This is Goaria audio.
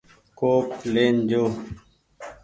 ڪوپ لين جو ۔